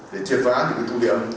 để triệt phá những cái thủ điểm